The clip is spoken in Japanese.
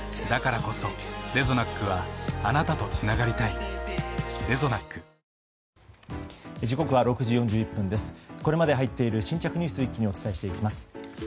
これまでに入っている新着ニュースを一気にお伝えしていきます。